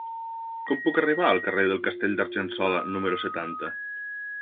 Com puc arribar al carrer del Castell d'Argençola número setanta?